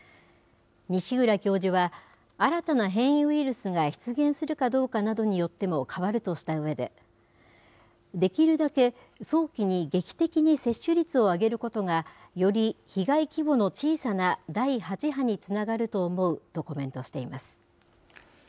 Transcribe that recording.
西浦教授は、新たな変異ウイルスが出現するかどうかなどによっても変わるとしたうえで、できるだけ早期に劇的に接種率を上げることが、より被害規模の小さな第８波につながると思うとコメントしています。